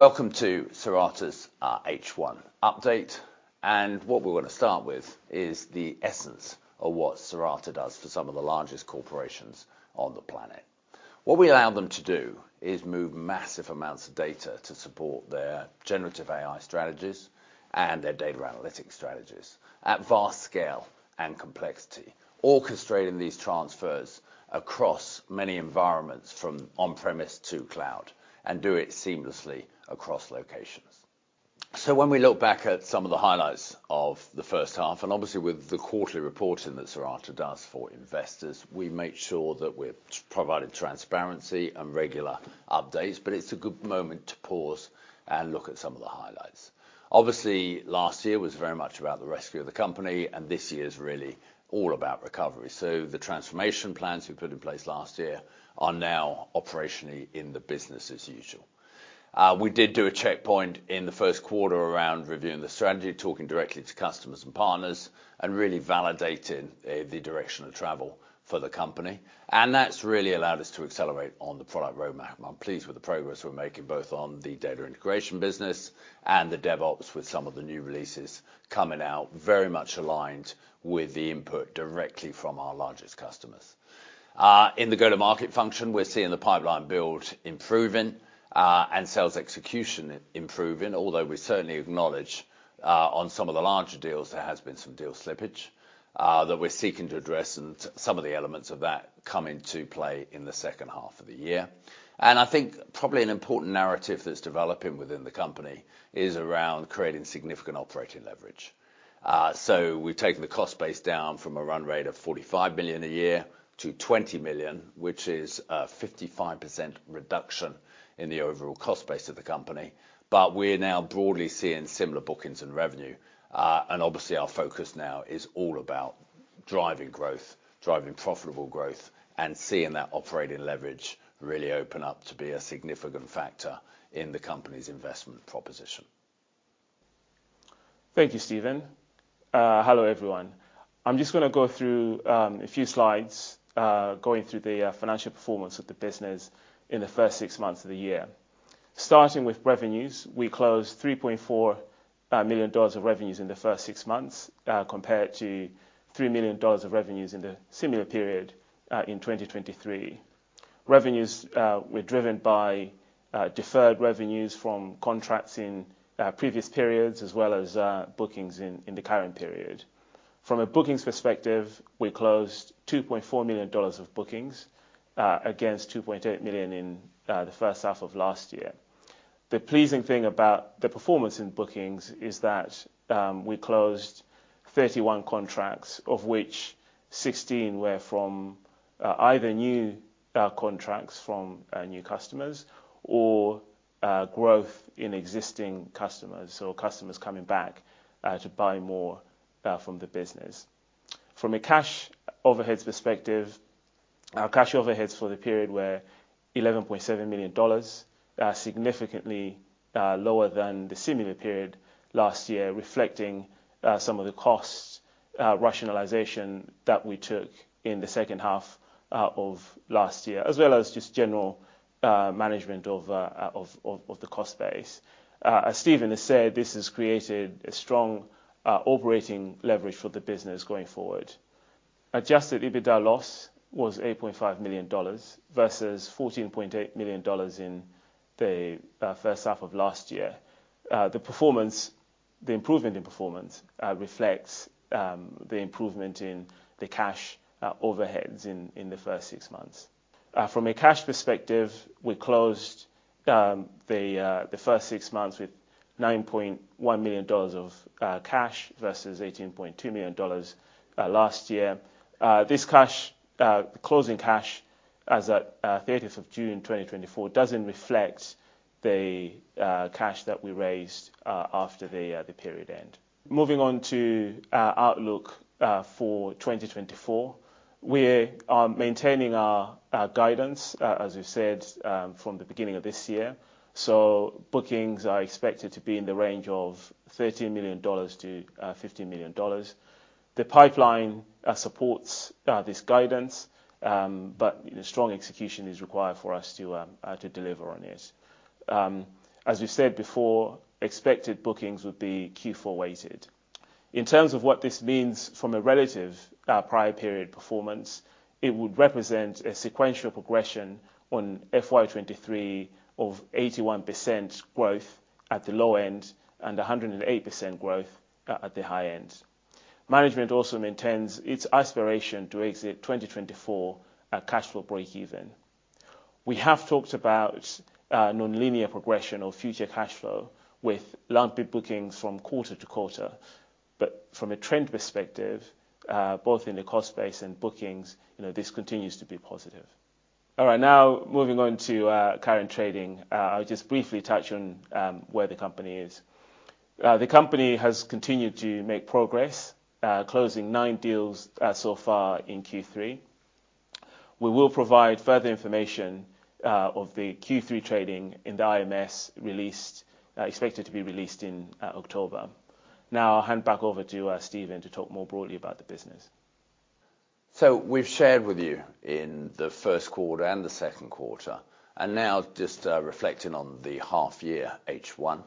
...Welcome to Cirata's H1 update, and what we're gonna start with is the essence of what Cirata does for some of the largest corporations on the planet. What we allow them to do is move massive amounts of data to support their generative AI strategies and their data analytics strategies at vast scale and complexity, orchestrating these transfers across many environments from on-premise to cloud, and do it seamlessly across locations. So when we look back at some of the highlights of the first half, and obviously with the quarterly reporting that Cirata does for investors, we make sure that we're providing transparency and regular updates, but it's a good moment to pause and look at some of the highlights. Obviously, last year was very much about the rescue of the company, and this year is really all about recovery. So the transformation plans we put in place last year are now operationally in the business as usual. We did do a checkpoint in the first quarter around reviewing the strategy, talking directly to customers and partners, and really validating the direction of travel for the company, and that's really allowed us to accelerate on the product roadmap. I'm pleased with the progress we're making, both on the data integration business and the DevOps, with some of the new releases coming out, very much aligned with the input directly from our largest customers. In the go-to-market function, we're seeing the pipeline build improving, and sales execution improving. Alt`hough we certainly acknowledge on some of the larger deals, there has been some deal slippage that we're seeking to address, and some of the elements of that come into play in the second half of the year. And I think probably an important narrative that's developing within the company is around creating significant operating leverage. So we've taken the cost base down from a run rate of 45 million a year to 20 million, which is a 55% reduction in the overall cost base of the company, but we're now broadly seeing similar bookings and revenue. And obviously, our focus now is all about driving growth, driving profitable growth, and seeing that operating leverage really open up to be a significant factor in the company's investment proposition. Thank you, Stephen. Hello, everyone. I'm just gonna go through a few slides going through the financial performance of the business in the first six months of the year. Starting with revenues, we closed $3.4 million of revenues in the first six months compared to $3 million of revenues in the similar period in 2023. Revenues were driven by deferred revenues from contracts in previous periods, as well as bookings in the current period. From a bookings perspective, we closed $2.4 million of bookings against $2.8 million in the first half of last year. The pleasing thing about the performance in bookings is that we closed 31 contracts, of which 16 were from either new contracts from new customers or growth in existing customers, so customers coming back to buy more from the business. From a cash overheads perspective, our cash overheads for the period were $11.7 million, significantly lower than the similar period last year, reflecting some of the costs rationalization that we took in the second half of last year, as well as just general management of the cost base. As Stephen has said, this has created a strong operating leverage for the business going forward. Adjusted EBITDA loss was $8.5 million versus $14.8 million in the first half of last year. The performance, the improvement in performance, reflects the improvement in the cash overheads in the first six months. From a cash perspective, we closed the first six months with $9.1 million of cash versus $18.2 million last year. This closing cash as at 30th of June 2024 doesn't reflect the cash that we raised after the period end. Moving on to our outlook for 2024, we are maintaining our guidance as we've said from the beginning of this year. Bookings are expected to be in the range of $13 million-$15 million. The pipeline supports this guidance, but, you know, strong execution is required for us to deliver on it. As we've said before, expected bookings would be Q4 weighted. In terms of what this means from a relative prior period performance, it would represent a sequential progression on FY 2023 of 81% growth at the low end and 108% growth at the high end. Management also maintains its aspiration to exit 2024 at cash flow breakeven. We have talked about a nonlinear progression of future cash flow with lumpy bookings from quarter to quarter, but from a trend perspective, both in the cost base and bookings, you know, this continues to be positive. All right, now moving on to current trading. I'll just briefly touch on where the company is. The company has continued to make progress, closing nine deals so far in Q3. We will provide further information of the Q3 trading in the IMS release, expected to be released in October. Now I'll hand back over to Stephen to talk more broadly about the business.... So we've shared with you in the first quarter and the second quarter, and now just reflecting on the half year, H1.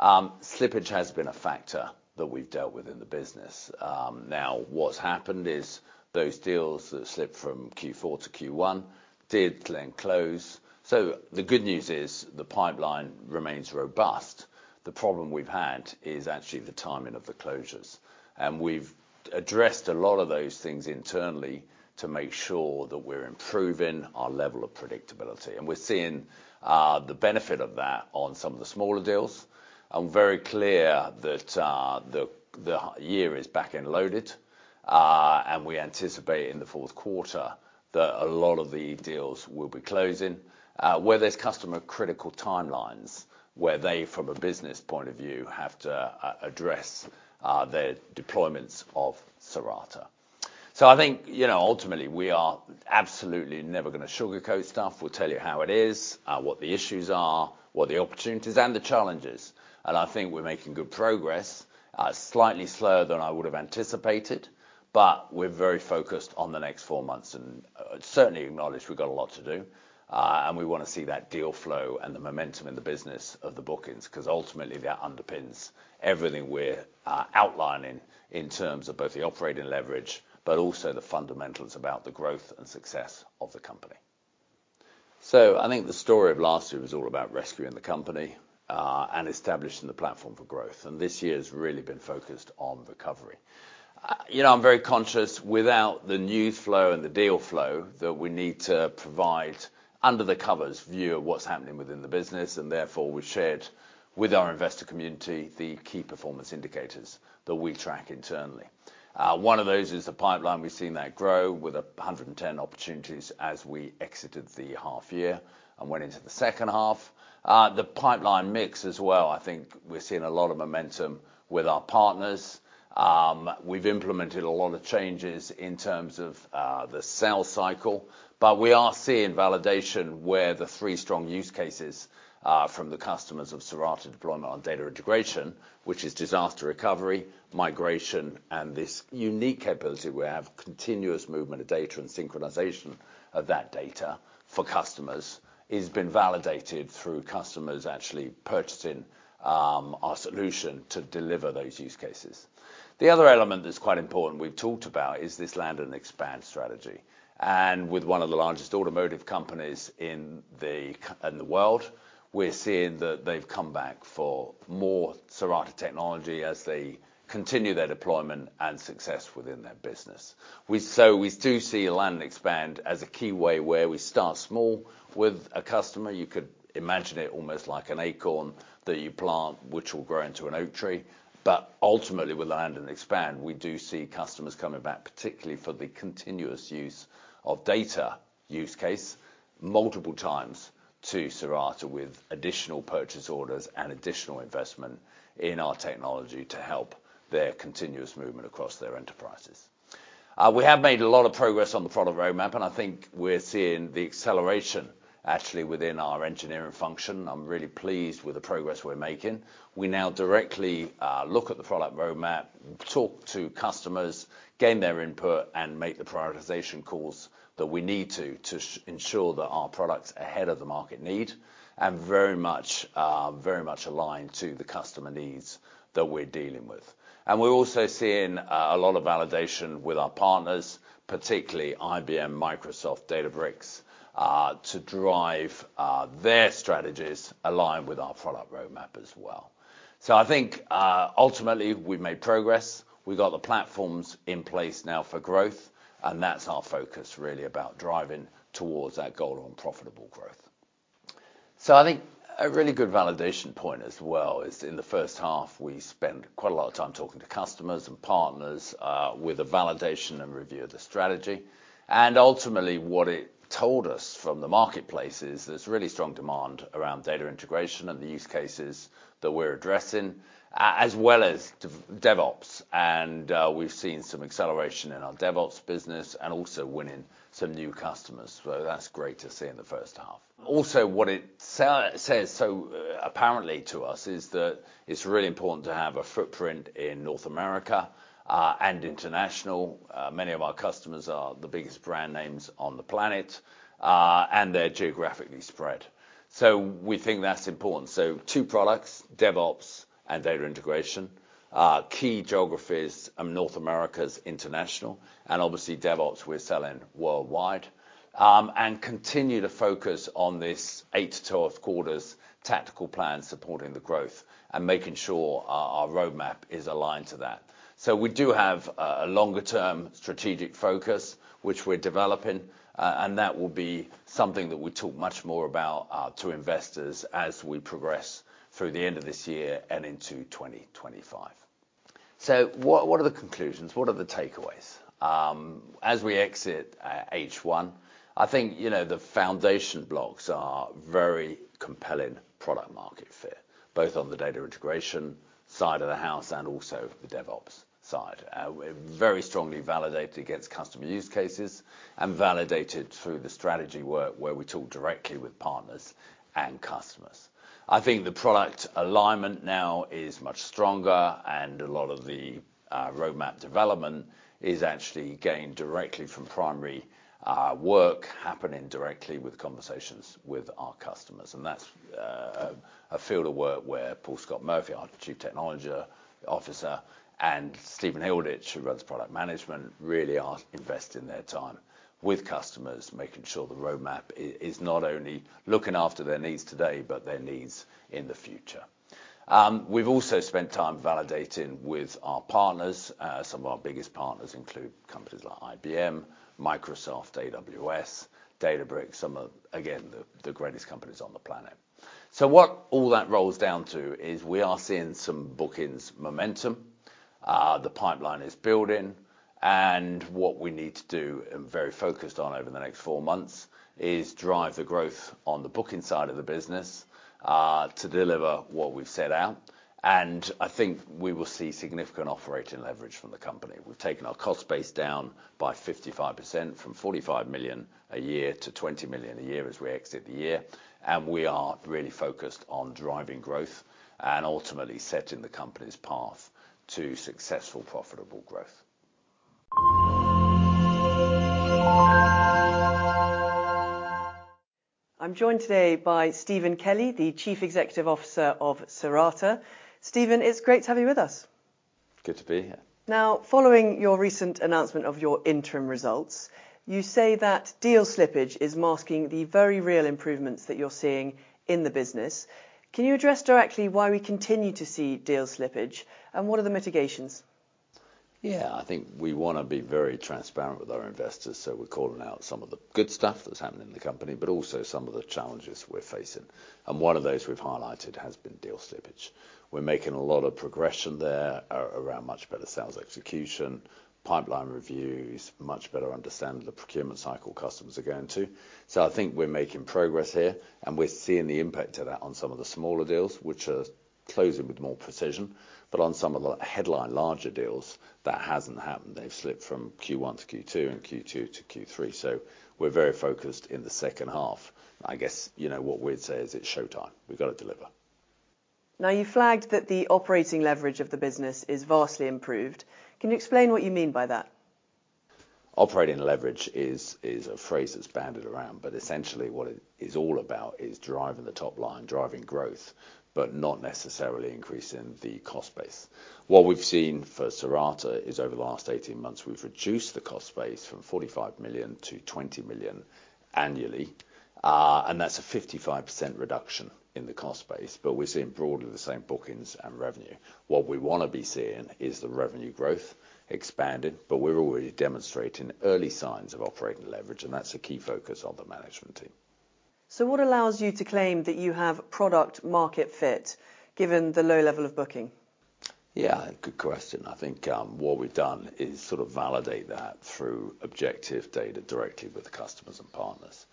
Slippage has been a factor that we've dealt with in the business. Now what's happened is those deals that slipped from Q4 to Q1 did then close. So the good news is the pipeline remains robust. The problem we've had is actually the timing of the closures, and we've addressed a lot of those things internally to make sure that we're improving our level of predictability. And we're seeing the benefit of that on some of the smaller deals. I'm very clear that, the year is back-end loaded, and we anticipate in the fourth quarter that a lot of the deals will be closing, where there's customer critical timelines, where they, from a business point of view, have to, address their deployments of Cirata. So I think, you know, ultimately, we are absolutely never gonna sugarcoat stuff. We'll tell you how it is, what the issues are, what the opportunities and the challenges, and I think we're making good progress. Slightly slower than I would have anticipated, but we're very focused on the next four months, and, certainly acknowledge we've got a lot to do. And we wanna see that deal flow and the momentum in the business of the bookings, 'cause ultimately, that underpins everything we're outlining in terms of both the operating leverage, but also the fundamentals about the growth and success of the company. So I think the story of last year was all about rescuing the company and establishing the platform for growth, and this year's really been focused on recovery. You know, I'm very conscious, without the news flow and the deal flow, that we need to provide under-the-covers view of what's happening within the business, and therefore we've shared with our investor community the key performance indicators that we track internally. One of those is the pipeline. We've seen that grow with 110 opportunities as we exited the half year and went into the second half. The pipeline mix as well, I think we're seeing a lot of momentum with our partners. We've implemented a lot of changes in terms of the sales cycle, but we are seeing validation where the three strong use cases from the customers of Cirata deployed on our data integration, which is disaster recovery, migration, and this unique capability where we have continuous movement of data and synchronization of that data for customers, it's been validated through customers actually purchasing our solution to deliver those use cases. The other element that's quite important, we've talked about, is this land and expand strategy, and with one of the largest automotive companies in the world, we're seeing that they've come back for more Cirata technology as they continue their deployment and success within their business. We do see land and expand as a key way where we start small with a customer. You could imagine it almost like an acorn that you plant, which will grow into an oak tree. But ultimately, with land and expand, we do see customers coming back, particularly for the continuous use of data use case, multiple times to Cirata with additional purchase orders and additional investment in our technology to help their continuous movement across their enterprises. We have made a lot of progress on the product roadmap, and I think we're seeing the acceleration actually within our engineering function. I'm really pleased with the progress we're making. We now directly look at the product roadmap, talk to customers, gain their input, and make the prioritization calls that we need to ensure that our product's ahead of the market need, and very much, very much aligned to the customer needs that we're dealing with. And we're also seeing a lot of validation with our partners, particularly IBM, Microsoft, Databricks, to drive their strategies aligned with our product roadmap as well. So I think, ultimately, we've made progress. We've got the platforms in place now for growth, and that's our focus, really, about driving towards that goal on profitable growth. So I think a really good validation point as well is in the first half. We spent quite a lot of time talking to customers and partners with a validation and review of the strategy. And ultimately, what it told us from the marketplace is there's really strong demand around data integration and the use cases that we're addressing, as well as DevOps. And we've seen some acceleration in our DevOps business and also winning some new customers, so that's great to see in the first half. Also, what it says so, apparently to us, is that it's really important to have a footprint in North America, and international. Many of our customers are the biggest brand names on the planet, and they're geographically spread. So we think that's important. So two products, DevOps and data integration. Key geographies, North America, international, and obviously DevOps, we're selling worldwide. And continue to focus on this eight to 12 quarters tactical plan supporting the growth and making sure our roadmap is aligned to that. So we do have a longer term strategic focus, which we're developing, and that will be something that we talk much more about to investors as we progress through the end of this year and into 2025. So what are the conclusions? What are the takeaways? As we exit H1, I think, you know, the foundation blocks are very compelling product market fit, both on the data integration side of the house and also the DevOps side. We're very strongly validated against customer use cases and validated through the strategy work where we talk directly with partners and customers. I think the product alignment now is much stronger, and a lot of the roadmap development is actually gained directly from primary work happening directly with conversations with our customers. That's a field of work where Paul Scott-Murphy, our Chief Technology Officer, and Stephen Hilditch, who runs product management, really are investing their time with customers, making sure the roadmap is not only looking after their needs today, but their needs in the future. We've also spent time validating with our partners. Some of our biggest partners include companies like IBM, Microsoft, AWS, Databricks, some of, again, the greatest companies on the planet. So what all that rolls down to is we are seeing some bookings momentum, the pipeline is building, and what we need to do, and very focused on over the next four months, is drive the growth on the booking side of the business, to deliver what we've set out, and I think we will see significant operating leverage from the company. We've taken our cost base down by 55%, from 45 million a year to 20 million a year as we exit the year, and we are really focused on driving growth and ultimately setting the company's path to successful, profitable growth. I'm joined today by Stephen Kelly, the Chief Executive Officer of Cirata. Stephen, it's great to have you with us. Good to be here. Now, following your recent announcement of your interim results, you say that deal slippage is masking the very real improvements that you're seeing in the business. Can you address directly why we continue to see deal slippage, and what are the mitigations? Yeah, I think we wanna be very transparent with our investors, so we're calling out some of the good stuff that's happening in the company, but also some of the challenges we're facing, and one of those we've highlighted has been deal slippage. We're making a lot of progression there around much better sales execution, pipeline reviews, much better understanding of the procurement cycle customers are going to, so I think we're making progress here, and we're seeing the impact of that on some of the smaller deals, which are closing with more precision, but on some of the headline larger deals, that hasn't happened. They've slipped from Q1 to Q2 and Q2 to Q3, so we're very focused in the second half. I guess, you know, what we'd say is it's showtime. We've got to deliver. Now, you flagged that the operating leverage of the business is vastly improved. Can you explain what you mean by that? Operating leverage is a phrase that's bandied around, but essentially, what it is all about is driving the top line, driving growth, but not necessarily increasing the cost base. What we've seen for Cirata is over the last 18 months, we've reduced the cost base from $45 million to $20 million annually, and that's a 55% reduction in the cost base, but we're seeing broadly the same bookings and revenue. What we wanna be seeing is the revenue growth expanding, but we're already demonstrating early signs of operating leverage, and that's a key focus of the management team. What allows you to claim that you have product market fit, given the low level of booking? Yeah, good question. I think what we've done is sort of validate that through objective data directly with the customers and partners.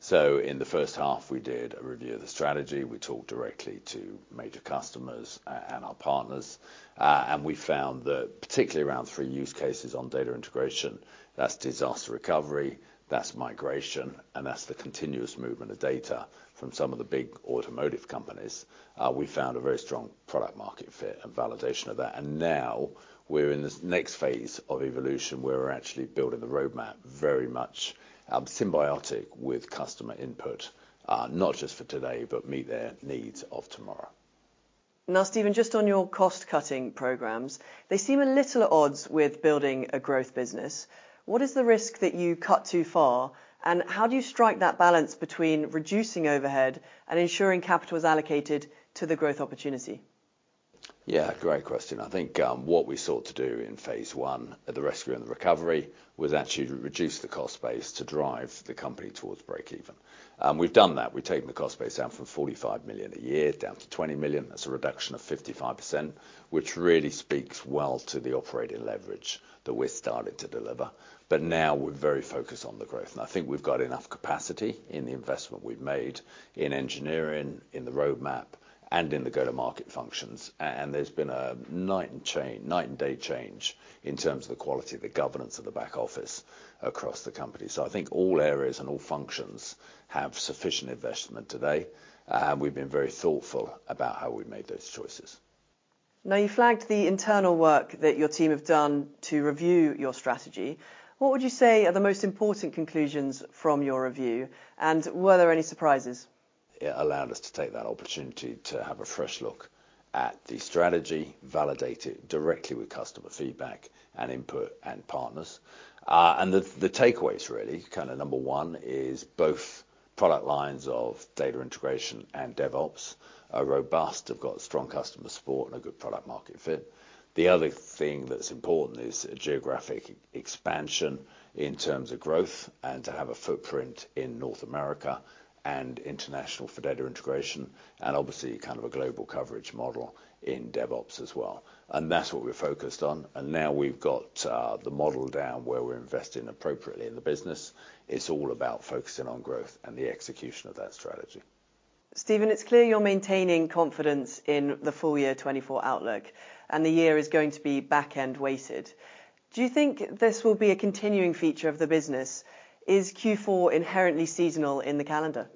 So in the first half, we did a review of the strategy. We talked directly to major customers and our partners, and we found that particularly around three use cases on data integration, that's disaster recovery, that's migration, and that's the continuous movement of data from some of the big automotive companies, we found a very strong product market fit and validation of that. And now we're in this next phase of evolution, where we're actually building the roadmap very much symbiotic with customer input, not just for today, but meet their needs of tomorrow. Now, Stephen, just on your cost-cutting programs, they seem a little at odds with building a growth business. What is the risk that you cut too far, and how do you strike that balance between reducing overhead and ensuring capital is allocated to the growth opportunity? Yeah, great question. I think what we sought to do in phase one of the rescue and the recovery was actually to reduce the cost base to drive the company towards breakeven. We've done that. We've taken the cost base down from £45 million a year down to £20 million. That's a reduction of 55%, which really speaks well to the operating leverage that we're starting to deliver. But now we're very focused on the growth, and I think we've got enough capacity in the investment we've made in engineering, in the roadmap, and in the go-to-market functions. And there's been a night and day change in terms of the quality of the governance of the back office across the company. So I think all areas and all functions have sufficient investment today, and we've been very thoughtful about how we've made those choices. Now, you flagged the internal work that your team have done to review your strategy. What would you say are the most important conclusions from your review, and were there any surprises? It allowed us to take that opportunity to have a fresh look at the strategy, validate it directly with customer feedback and input and partners. And the takeaways really, kind of number one is both product lines of data integration and DevOps are robust, have got strong customer support, and a good product market fit. The other thing that's important is geographic expansion in terms of growth and to have a footprint in North America and international for data integration, and obviously kind of a global coverage model in DevOps as well, and that's what we're focused on, and now we've got the model down where we're investing appropriately in the business. It's all about focusing on growth and the execution of that strategy. Stephen, it's clear you're maintaining confidence in the full year 2024 outlook, and the year is going to be back-end weighted. Do you think this will be a continuing feature of the business? Is Q4 inherently seasonal in the calendar?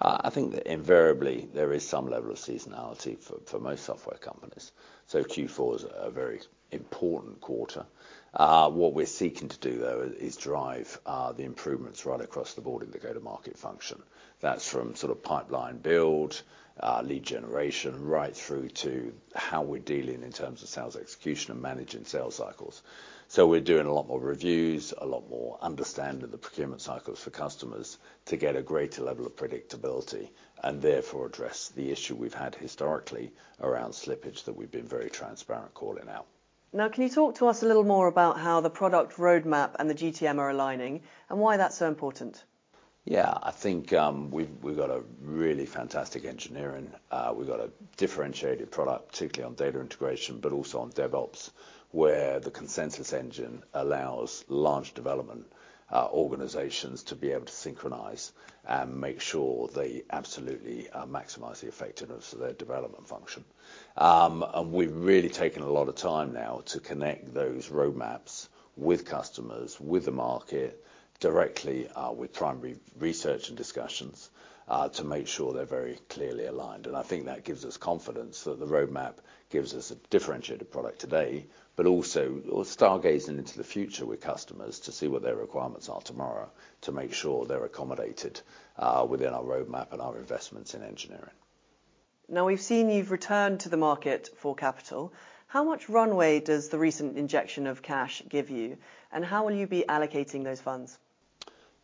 I think that invariably there is some level of seasonality for most software companies, so Q4 is a very important quarter. What we're seeking to do, though, is drive the improvements right across the board in the go-to-market function. That's from sort of pipeline build, lead generation, right through to how we're dealing in terms of sales execution and managing sales cycles, so we're doing a lot more reviews, a lot more understanding the procurement cycles for customers to get a greater level of predictability, and therefore address the issue we've had historically around slippage that we've been very transparent calling out. Now, can you talk to us a little more about how the product roadmap and the GTM are aligning, and why that's so important? Yeah, I think we've got a really fantastic engineering. We've got a differentiated product, particularly on data Integration, but also on DevOps, where the Consensus Engine allows large development organizations to be able to synchronize and make sure they absolutely maximize the effectiveness of their development function. And we've really taken a lot of time now to connect those roadmaps with customers, with the market, directly, with primary research and discussions, to make sure they're very clearly aligned. And I think that gives us confidence that the roadmap gives us a differentiated product today, but also we're stargazing into the future with customers to see what their requirements are tomorrow, to make sure they're accommodated within our roadmap and our investments in engineering. Now, we've seen you've returned to the market for capital. How much runway does the recent injection of cash give you, and how will you be allocating those funds?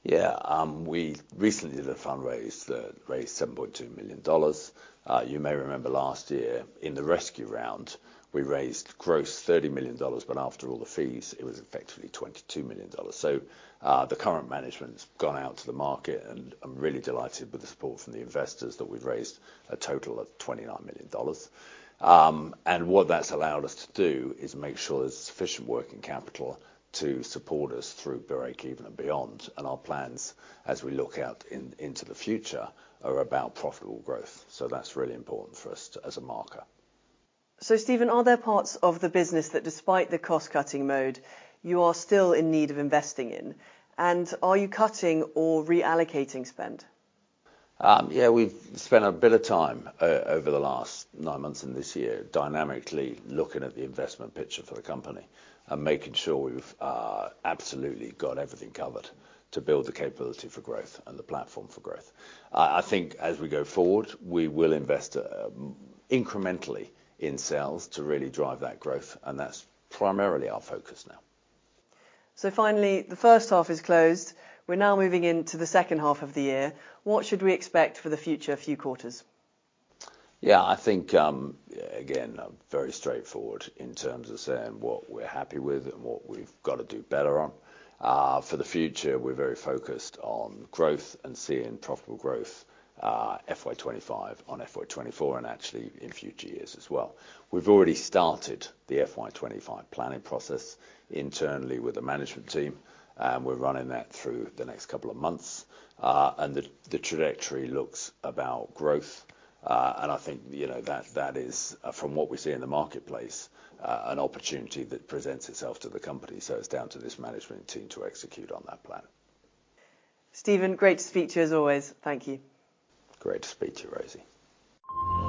Yeah, we recently did a fundraise that raised $7.2 million. You may remember last year in the rescue round, we raised gross $30 million, but after all the fees, it was effectively $22 million. So, the current management's gone out to the market, and I'm really delighted with the support from the investors, that we've raised a total of $29 million. And what that's allowed us to do is make sure there's sufficient working capital to support us through break-even and beyond, and our plans as we look out into the future, are about profitable growth, so that's really important for us as a marker. So Stephen, are there parts of the business that despite the cost-cutting mode, you are still in need of investing in? And are you cutting or reallocating spend? Yeah, we've spent a bit of time over the last nine months in this year, dynamically looking at the investment picture for the company and making sure we've absolutely got everything covered to build the capability for growth and the platform for growth. I think as we go forward, we will invest incrementally in sales to really drive that growth, and that's primarily our focus now. So finally, the first half is closed. We're now moving into the second half of the year. What should we expect for the future few quarters? Yeah, I think, again, I'm very straightforward in terms of saying what we're happy with and what we've got to do better on. For the future, we're very focused on growth and seeing profitable growth, FY 2025 on FY 2024, and actually in future years as well. We've already started the FY 2025 planning process internally with the management team, and we're running that through the next couple of months. And the trajectory looks about growth, and I think, you know, that is, from what we see in the marketplace, an opportunity that presents itself to the company, so it's down to this management team to execute on that plan. Stephen, great to speak to you as always. Thank you. Great to speak to you, Rosie.